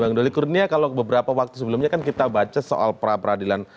bang doli kurnia kalau beberapa waktu sebelumnya kan kita baca soal pra peradilan